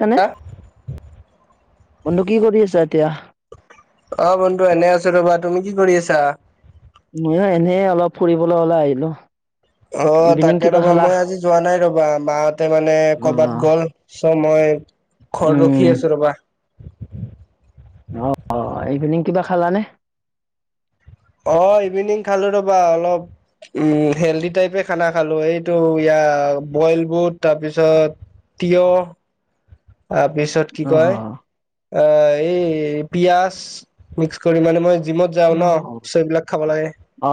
হয়নে অ বন্ধু কি কৰি আছা এতিয়া অ', বন্ধু এনে আছো ৰ'বা তুমি কি কৰি আছা? ময়ো এনেই অলপ ফুৰিবলৈ ওলাই আহিলো অ', ইভিনিং তাকে কিবা ৰবা খালা মই আজি যোৱা নাই ৰবা মাহতে মানে অ কৰ'বাত গ'ল চ মই ঘৰত ৰখি উম আছো ৰবা অ', এইপিনিং কিবা খালাানে? অ ইভিনিং খালো ৰবা অলপ উ হেলডি টাইপে খানা খালো এইটো ইয়াত আ বইল বুট তাৰপিছত তিয়হ তাৰপিছত কি অ কয় আহ এই পিয়াজ মিক্স কৰি মানে মই জিমত যাওঁ অ ন চ এইবিলাক খাব লাগে। অ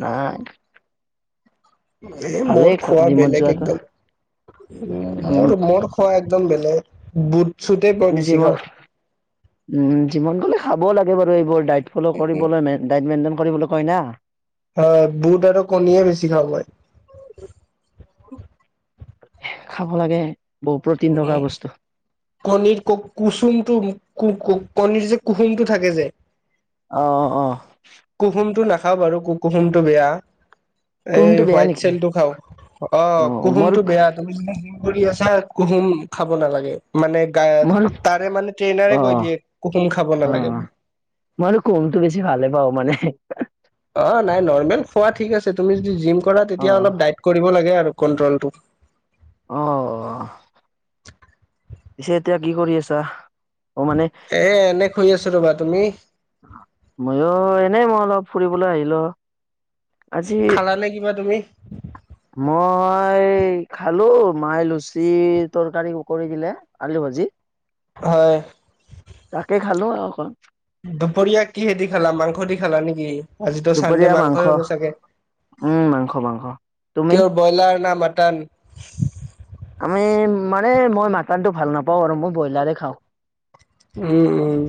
নাই। এ ভালেই মোৰ খোৱা জিমত বেলেগ যোৱাটো একদম উম মোৰ মোৰ খোৱা একদম বেলেগ বুট চুটে মই বেছি যিমা খাওঁ উম যিমান গলেও খাব লাগে বাৰু এইবোৰ দাইত ফ'লো কৰিব'লৈ ডাইট মেইনটেইন কৰিব কয় না। হয় বুট আৰু কণীয়ে বেছি খাওঁ মই খাব লাগে বহু প্ৰটিন থকা বস্তু কণীৰ কু কুচুমটো কু ক কণীটো যে কুহুমটো থাকে যে অ আহ খাওঁ বাৰু কু কুহুমটো বেয়া এই কুহুমটো বেয়া হোৱাইট নেকি চেলটো খাও অ কুহুমটো বেয়া তুমি কৰি আছা হেৰি খাব নালাগে মানে গাইঅড মোৰ তাৰে মানে ট্ৰেইনাৰে অ কৈ দিয়ে কুকিম খাব অ নালাগে বুলি মই আৰু কুহুমটো বেছি ভালে পাওঁ মানে অ', নাই নৰ্মেল খোৱা ঠিক আছে তুমি যদি জিম কৰা তেতিয়া অ অলপ ডাইট কৰিব লাগে আৰু। কণ্ট্ৰলটোম। আহ। পিছে এতিয়া কি কৰি আছা অ মানে এ এনে শুই আছো ৰবা তুমি মইও এনে মই অলপ ফুৰিবলৈ আহিল আজি খালানে কিবা তুমি মই এই খালো মাহ লুচি তৰকাৰী কৰি দিলে আলু ভাজি। হয়। তাকে খালো আৰু অকণ। দুপৰীয়া কিহেদি খালা মাংস দি খালা নেকি আজিতো চান্দে দুপৰীয়া মাংস মাংসই হ'ব চাগে। উম মাংস মাংস তুমি তেওঁৰ ব্ৰইলাৰ না মাটন আমি মানে মই মাটনটো ভাল নাপাওঁ আৰু মই ব্ৰইলাৰে খাওঁ। উম উম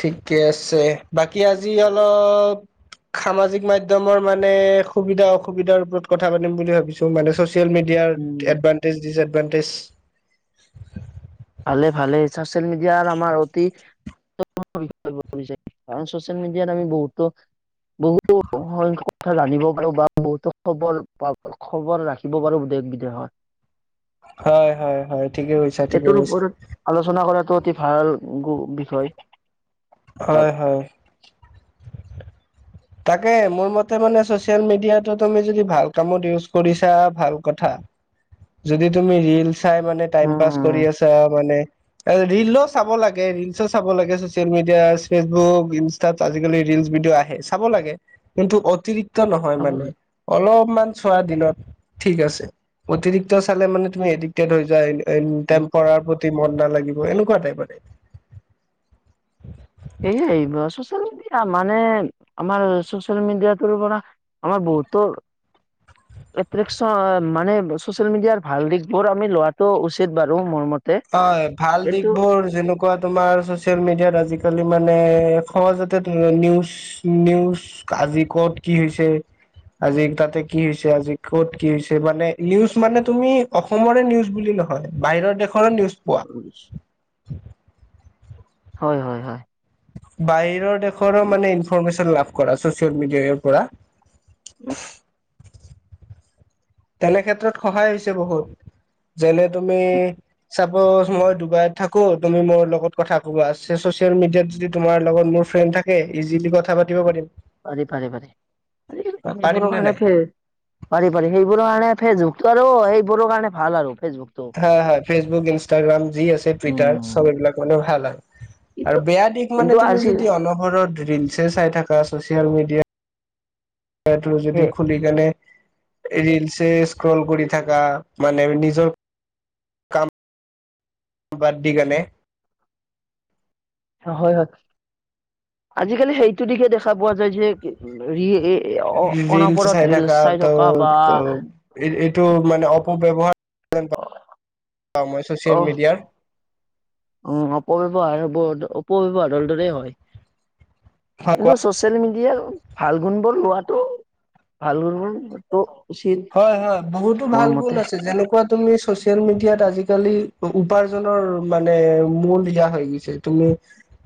ঠিকে আছে বাকী আজি অলপ সামাজিক মাধ্যমৰ মানে সুবিধা অসুবিধাৰ ওপৰত কথা পাতিম বুলি ভাবিছো মানে। ছ'চিয়েল উম মিডিয়াৰ এডভানটেজ ডিচএডভানটেজ ভালে ভালে চচিয়েল মিডিয়াৰ আৰ আমাৰ অতি [unintelligible] কাৰ চচিয়েল মিডিয়াত আমি বহুতো বহুত কথা জানিব পাৰো বা বহুতো খবৰ প খবৰ ৰাখিব পাৰো দেশ বিদেশত [unintelligible] [unintelligible] হয় - হয় - হয় ঠিকেই কৈছ। টোৰ ওপৰত আলোচনা কৰাটো অতি ভাল গু বিষয় ভাল হয় হয় তাকে মোৰ মতে মানে চচিয়েল মিডিয়াটো তুমি যদি ভাল কামত ইউজ কৰিছা ভাল কথা যদি তুমি ৰিল চাই মানে টাইম পাচ কৰি উম আছা মানে ৰিলো চাব লাগে - ৰিলচো চাব লাগে চচিয়েল মিডিয়া ফেচবুক ইনষ্টাত আজিকালি ল ৰিলচ্ ভিডিঅ আহে চাব লাগে কিন্তু অতিৰিক্ত নহয় মানে অলপ মান চোৱা দিনত ঠিক আছে অতিৰিক্ত চালে মানে তুমি এডিক্টেড হৈ যোৱা এনে- টেম্প টেম্পাৰাৰ প্ৰতি মন নালাগিব এনেকুৱা টাইপ আৰু সেয়াই চচিয় মিডিয়া মানে আমাৰ চচিয়েল মিডিয়াটোৰ পৰা আমাৰ ম তোৰ এট্ৰেকচন মানে চচিয়েল মিডিয়াৰ ভাল দিশ বোৰ আমি লোৱাটো উচিত বাৰু মোৰ মতে হয় ভাল দিশ কিন্তু বোৰ যেনেকুৱা তোমাৰ চচিয়েল মিডিয়াত আজিকালি আজিকালি মানে সহজতে নিউজ নিউজ আজি ক'ত কি হৈছে আজি তাতে কি হৈছে আজি কত কি হৈছে মানে নিউজ মানে তুমি অসমৰে নিউজ বুলি এইটো হয় বাহিৰৰ দেশ অ', [unintelligible] হয় হয় হয় বাহিৰৰ দেশৰো মানে ইনফৰমেশ্যন লাভ কৰা ছ'চিয়েল মিডিয়াৰ পৰা উ তেনে ক্ষেত্ৰত সহায় হৈছে বহুত যেনে তুমি চাপজ মই ডুবাইত থাকো তুমি মোৰ লগত কথা কব আছে চ চচিয়েল মিডিয়াত য তোমাৰ লগত মোৰ ফ্ৰেণ্ড থাকে ইজিল কথা পাতি পাৰিম। পাৰি পাৰি পাৰি আজিকালি পাৰিম সেইবোৰৰ নে কাৰণে নাই? পাৰি পাৰি সেইবোৰৰ কাৰণে ফেচবুকতো আৰু সেইবোৰৰ কাৰণে ভাল আৰু ফেচবুকটো। হা হয ফেচবুক ইনষ্টাগ্ৰাম যি আছে টুইটাৰ চব এইবিলাক মানে ভাল হয় আৰু কিন্তু আৰু বেয়া দিশ কিন্তু মানে তুমি আজি যদি অনহৰত ৰিলছে চাই থাকা চচিয়েল মিডিয়াত এটো এ যদি খুলি কেনে ৰিলচ্ এ স্ক্ৰল কৰি থাকা মানে নিজৰ কামাম বাদ দি গানে। [unintelligible] হয় হয় আজিকালি সেইটো দিশে দেখা পোৱা যায় যে ৰি এ ৰিল চাই থাকা ত বা ত এ এ মে অপব্য়ৱহাৰ মই অ চচিয়েল মিডিয়াৰ উম অপব্যৱহাৰ অপব্যৱহাৰৰ দৰে হয় হয় কোৱা কিন্তু চচিয়েল মিডিয়া ভাল গুণবোৰ লোৱাটো ভাল গুণবোৰ হয় হয় বহুতো মোৰ ভাল গুণ মতে আছে যেনেকুৱা তুমি চচিয়েল মিডিয়াত আজিকালি উপাৰ্জনৰ মানে মূল ইয়া হৈ গৈছে তুমি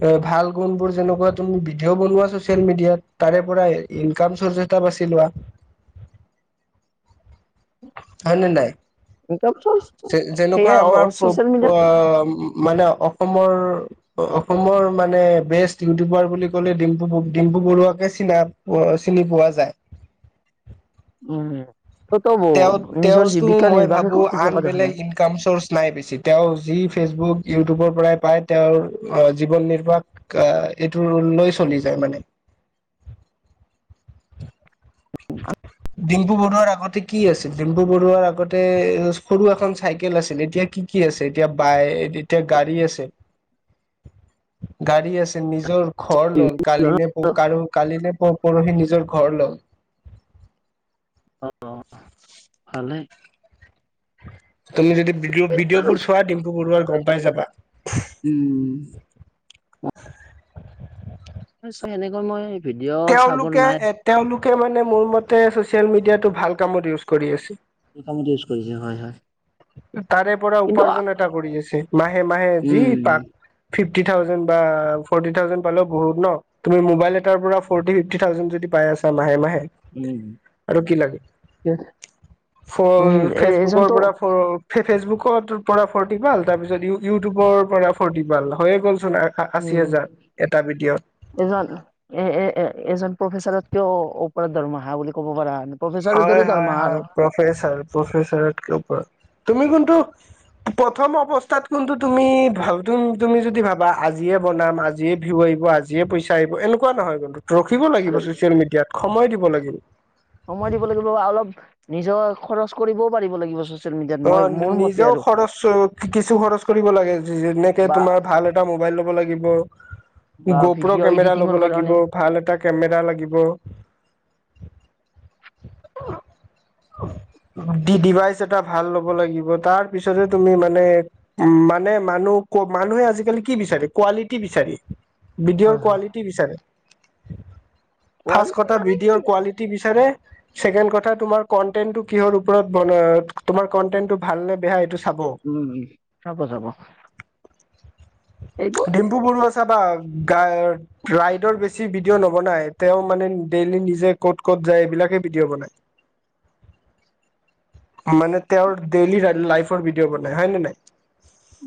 এ ভাল গুণ বোৰ যেনেকুৱা তুমি ভিডিঅ' বনোৱা চচিয়েল মিডিয়াত তাৰে পৰা ইনকাম চৰ্চ এটা বাছি লোৱা হয় নে নাই যে যেনেকুৱা সেয়াই আমাৰ প্ৰ ছচিয়েল অ মিডিয়াত ম মানে অসমৰ অসমৰ মানে বেষ্ট ইউটিউবাৰ বুলি ক'লে ডিম্পু বু ডিম্প বৰুৱাকে চিনা প চিনি পোৱা যায় উম, ত ত তেওঁ নিজৰ তেওঁৰতো জীৱিকা মই নিৰ্বাহে ভাবো কৰি আন থকা দেখা যায় বেলেগ ইনকাম চৰ্চ নাই বেছি তেওঁ যি ফেচবুক ইউটিউবৰ পৰাই পাই তেওঁৰ জীৱন নিৰ্বাহ এইটো লৈ চলি যায় মানে আ [unintelligible] [unintelligible] অ [unintelligible] ডিম্পু বৰুৱাৰ আগতে কি আছিল ডিম্পু বৰুৱাৰ আগতে সৰু এখন চাইকেল আছিল এতিয়া কি কি কি আছে এতিয়া বাই এতিয়া গাড়ী আছে [unintelligible] গাড়ী আছে নিজৰ ঘ ঘৰ লল কালি নে প কাৰ কালি নে পৰহি নিজৰ ঘৰ ল'ল অ ভালে তুমি যদি ভিডিঅ'বোৰ চোৱা ডিম্পু বৰুৱাৰ গম পাই যাবা। উম [unintelligible] নি্চ সেনেকৈ মই ভিডিঅ' চাব তেওঁলোকে নাই তেওঁলোকে মানে মোৰ মতে ছচিয়েল মিডিয়াটো ভাল কামত ইউজ কৰি আছে। এই কামতে ইউজ কৰিছে হয় হয় তাৰে পৰা কিন্তু উপাৰ্জন এটা কৰি আছে মাহে মাহে যি উম। পাক ফিভতী থাউজেণ্ড বা ফৌৰটি থাউজেণ্ড পালে বহুত ন তুমি মোবাইল এটাৰ পৰা ফৌৰটী ফিভটি থাউজেণ্ড যদি পাই আছা মাহে মাহে উম আৰু কি লাগে উম এ ফেচবুকৰ এজনতো পৰা ফেচবুকৰ পৰা ফৰ্তি পাল তাৰ পিছত ই ইউটিউবৰ পৰা ফৰ্তি পাল হৈয়ে গ'ল উম এজন এ এ এজন প্ৰফেচাৰত তেওঁ ওপৰত দৰমহা বুলি ক'ব পাৰা প্ৰফেচাৰৰ হয় দৰে হয় দৰমহা হয় আৰু। প্ৰফেচাৰ প্ৰফেছাৰত কে ওপৰত, তুমি কোনটো [unintelligible] প্ৰথম অৱস্থাত কিন্তু তুমি ভ তুমি যদি ভাবা আজিয়ে বনাম আজিয়ে ভিউ আহিব আজিয়ে পইচা আহিব এনেকুৱা নহয় কিন্তু ৰখিব লাগিব চচিয়েল মিডিয়াত সময় দিব লাগিব। সময় দিব লাগিব বা অলপ নিজৰ খৰচ কৰিবও পাৰিব লাগিব ছচিয়েল মিডিয়াত অ মই মোৰ মতে নিজেও আৰু। খৰচ কিছু খৰচ কৰিব লাগে যেনেকে বা তোমাৰ ভাল এটা মোবাইল লব লাগিব বা গোপ্ৰ' ভিডিঅ' কেমেৰা এডিটিঙৰ লব কাৰণে লাগিব ভাল এটা কেমেৰা লাগিব। [unintelligible] [unintelligible] দি ডিভাইচ এটা ভাল ল'ব লাগিব তাৰ পিছতে তুমি মানে উম মানে মানুহ মানুহে আজিকালি কি বিচাৰে কোৱালিটি বিচাৰে ভিডিঅ'ৰ হয় হয় কোৱালিটি বিচাৰে ফাৰ্ষ্ট কোৱালিটি কথা মানে কি ভিডিঅ'ৰ কোৱালিটি বিচাৰে ছেকেণ্ড কথা তোমাৰ কন্টেন্টো কিহৰ ওপৰত তোমাৰ কন্টেন্টো ভাল নে বেয়াটো উম চাব চাব এইবোৰ ডিম্পু বৰুৱা চাবা ৰাইডৰ বেছি ভিডিঅ' নবনাই তেওঁ মানে ডেইলি নিজে ক'ত ক'ত যায় এইবিলাক ভিডিঅ বনাই মানে তেওঁৰ ডেইলি লাইফ ভিডিঅ' বনাই হয় নে নাই [unintelligible]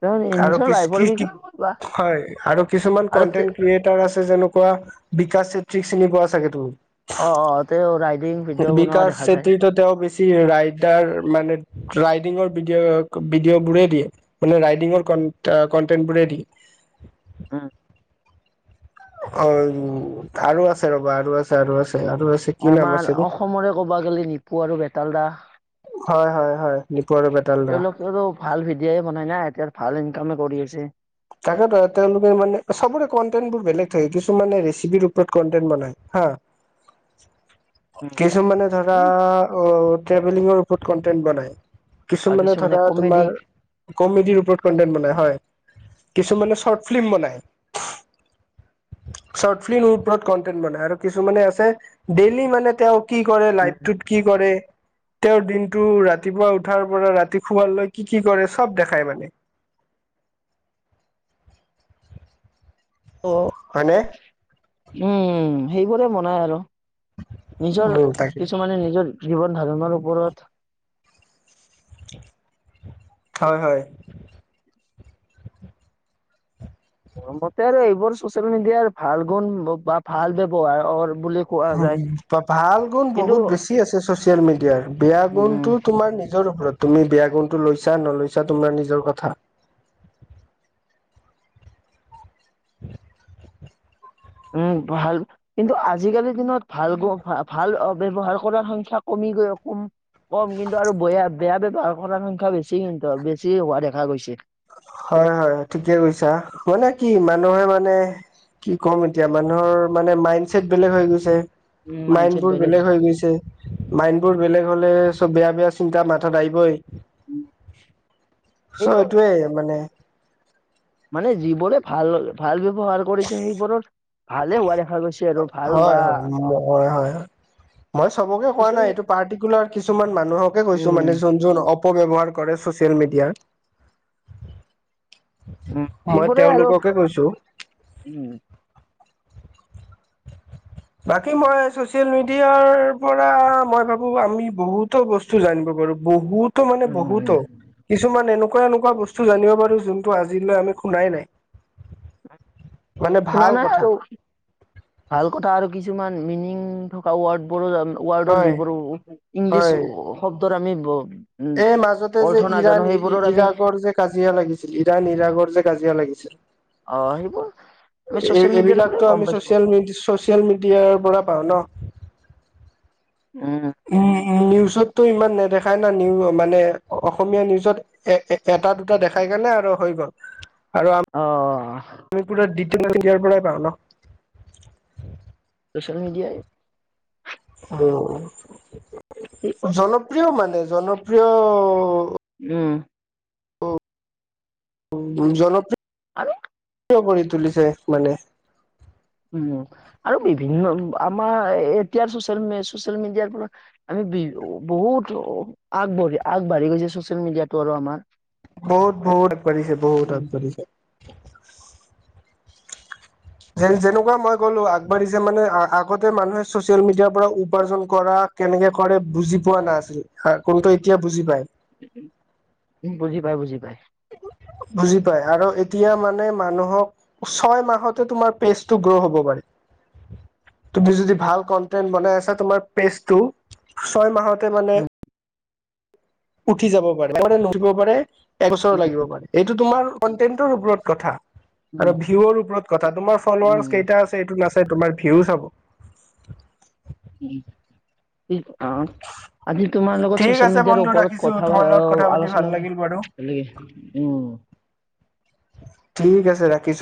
তেওঁ নি- আৰু নিজৰ লাইফৰ বিষয়ে বা হয় আৰু কিছুমান আৰু তে- কন্টেন্ট ক্ৰিয়েটাৰ আছে যেনেকুৱা বিকাশ চেত্ৰীক চিনি পোৱা চাগে তুমি অ', অ'। তেওঁ ৰাইডিং ভিডিঅ' বনোৱা বিকাশ দেখা যায় চেত্ৰী তেওঁ বেছি ৰাইটাৰ মানে ৰাইডিঙৰ ভিডিঅ' ভিডিঅ' বোৰে দিয়ে মানে ৰাইডিঙৰ কনটেন্ট বোৰে দিয়ে হম অ আৰু আছে ৰ'বা আৰু আছে আৰু আছে আৰু আছে কি নাম আমাৰ আছিলে অসমৰে ক'বা গলে নিপু আৰু বেতাল দা হয় হয় হয় আৰু বেতাল দা। তেওঁলোকোৰো ভাল ভিডিঅই বনাই না এতিয়া ভাল ইনকামে কৰি আছে। তাকেইটো তেওঁলোকে মানে চবৰে কণ্টেন্ট বোৰ বেলেগ থাকে কিছুমানানে ৰেচিপিৰ ওপৰত কনন্টেন বনায়। হা [unintelligible] কিছুমানে ধৰা উম, অ ট্ৰেভেলিঙৰ ওপৰত কনটেন্ট বনাই আৰু কিছুমানে থকা কমেডি তোমাৰ কমেডিৰ ওপৰত কন্টেন বনাই হয়। কিছুমানে শ্বৰ্ট ফিল্ম বনায়। শ্বৰ্ট ফিল্মৰ ওপৰত কন্টেন্ট বনাই আৰু কিছুমানে আছে ডেইলি মানে তেওঁ কি কৰে উম, লাইফটোতত কি কৰে তেওঁৰ দিনটো ৰাতিপুৱা উঠাৰ পৰা ৰাতি শুৱাৰ লৈ কি কি কৰে চব দেখায় মানে? উ অ হয়নে উম সেইবোৰে বনাই আৰু নিজৰ উম তাকে কিছুমানে নিজৰ জীৱন ধাৰণৰ ওপৰত হয় হয়। মোৰ মতে আৰু এইবোৰ ছচিয়েল মিডিয়াৰ ভাল গুণ বা ভাল ব্যৱহাৰৰ উ ভাল গুণ কিন্তু বহুত বেছি আছে চচিয়েল মিডিয়াৰ বেয়া গুণটো উম, তোমাৰ নিজৰ ওপৰত তুমি বেয়া গুণটো লৈছা নলৈছা তোমাৰ নিজৰ কথা। উম। উম ভাল কিন্তু আজিকালিৰ দিনত ভাল ভাল ব্যৱহাৰ কৰাৰ সংখ্যা কমি গৈ কম- কম কিন্তু আৰু বেয়া বেয়া ব্যৱহাৰ কৰাৰ সংখ্যা বেছি কিন্তু বেছি হোৱা দেখা গৈছে। হয় হয় ঠিকে কৈছা মানে কি মানুহে মানে- কি ক'ম এতিয়া মানুহৰ মানে মাইড ছেটচ বেলেগ হৈ গৈছে উম মাইণ্ড মাইণ্ডছেট বোৰ বেলেগ হয়। হৈ গৈছে মাইণ্ড বোৰ বেলেগ হলে চব বেয়া বেয়া চিন্তা মাথাত আহিবই চব সেইবোৰ এইটোয়ে। মানে মে যিবোৰে ভাল ভাল ব্যৱহাৰ কৰিছে সেইবোৰত ভালে হোৱা। দেখা গৈছে আৰু ভাল বা হয় হয় হয় হয় হয় মই চবকে কোৱা চচিয়েল নাই এইটো পাৰ্টিকুলাৰ কিছুমান মানুহকে কৈছো উম মানে যোন যোন অপ ব্যৱহাৰ কৰে ছচিয়েল মিডিয়াত। উম মই সেইবোৰে আৰু তেওঁলোককে কৈছো উম বাকী মই চচিয়েল মিডিয়াৰ পৰা মই ভাবো আমি বহুতো বস্তু জানিব বহুতো মানে উম উম। বহুতো কিছুমান এনেকুৱা এনেকুৱা এনেকুৱা বস্তু জানিব পাৰো যোনটো আজিলৈ আমি শুনাই নাই মানে শুনা ভাল নাই কথা আৰু ভাল কথা আৰু কিছুমান মিনিং থকা ৱৰ্ডবোৰো ৱ‌‌ৰ্ডৰ হয় যিবোৰ হয় ইংলিছ শব্দৰ আমি উম এই মাজতে যে অৰ্থ নাজানো ইৰাণ সেইবোৰৰ আমি ইৰাকৰ যে কাজিয়া লাগিছিল ইৰাণ ইৰাকৰ যে কাজিয়া আহ সেইবোৰ আমি লাগিছিল চচিয়েল মিডিয়াৰ পৰাই এইবিলাকো গম আমি পাইছো চচিয়েল চচিয়েল মিডিয়াৰ পৰা পাওঁ ন উম। নিউজতো ইমান নেদেখায় না নিউ মানে অসমীয়া নিউজত এ এটা দুটা দেখাই সেইকাৰণে আৰু হৈ গ'ল আৰু অ আমি কুৰা দ্বিতীয় তৃতীয়ৰ পৰাই পাওঁ ন চোচিয়েল মিডিয়াই উ জনপ্ৰিয় মানে জনপ্ৰিয় উম'। জনপ্ৰিয় আৰু কিয়, কৰি তুলিছে মানে। উম আৰু বিভিন্ন আমাৰ এতিয়া চচিয়েল চচিয়েল মিডিয়াৰ পৰা আমি বহুত আগবাঢ়ি আগবাঢ়ি গৈছে চচিয়েল মিডিয়াতটো আৰু আমাৰ বহুত বহুত আগবাঢ়িছে বহুত আগবাঢ়িছে যেনেকুৱা মই ক'লো আগবাঢ়িছে মানে আগতে মানুহে চচিয়েল মিডিয়াৰ পৰা উপাৰ্জন কৰা কেনেকে কৰে বুজি পোৱা নাছিল কোনটো এতিয়া বুজি পায় বুজি পাই বুজি পাই বুজি পাই, আৰু এতিয়া মানে মানুহক ছয় মাহতে তোমাৰ পেজটো গ্ৰ' হ'ব পাৰি। হয় তুমি যদি ভাল কন্টেন্ট বনাই আছা তোমাৰ পেজটো ছয় মাহতে মানে, উম উঠি যাব পাৰে। মানে নুঠিব পাৰে। এবছৰ লাগিব পাৰে এইটো তোমাৰ কটেৰ ওপৰত কথা আৰু উম ভিউৰ ওপৰত কথা তোমাৰ ফলাৰছ উম কেইটা আছে এইটো নাচ তাতে তোমাৰ ভিউ চাব। [unintelligible] উম আজি তোমাৰ লগত ঠিক চচিয়েল আছে মিডিয়াৰ বন্ধু ওপৰত ৰাখিছো কথা তোমাৰ লগত কথা পাতি ভাল আলোচনা লাগিল বাৰু কৰ আলকে, উম। ঠিক আছে ৰাখিছো